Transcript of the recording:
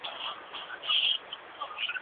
ټولنه بايد وپېژندل سي.